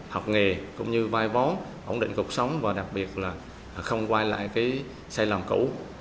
học nghề cũng như vai vó ổn định cuộc sống và đặc biệt là không quay lại sai lầm cũ